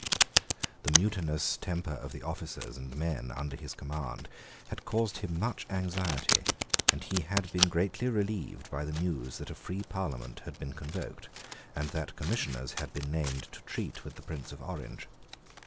The mutinous tamper of the officers and men under his command had caused him much anxiety; and he had been greatly relieved by the news that a free Parliament had been convoked, and that Commissioners had been named to treat with the Prince of Orange.